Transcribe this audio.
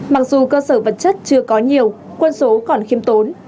mặc dù cơ sở vật chất chưa có nhiều quân số còn khiêm tốn